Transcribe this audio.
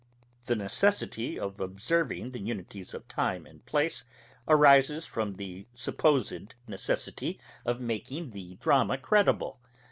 The necessity of observing the unities of time and place arises from the supposed necessity of making the drama credible.